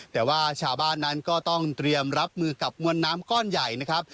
แต่ว่าชาวบ้านนั้นก็ต้องเตรียมรับมือกับมวลน้ำก้อนใหญ่นะครับ